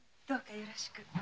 どうかよろしく。